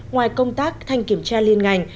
ngoài công tác thanh kiểm tra liên ngành